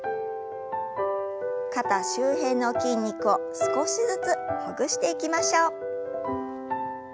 肩周辺の筋肉を少しずつほぐしていきましょう。